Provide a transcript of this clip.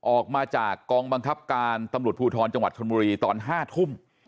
ออกมาจากกองบังคับการตำรวจภูทรจังหวัดชนบุรีตอน๕ทุ่ม